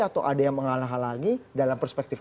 atau ada yang menghalang halangi dalam perspektif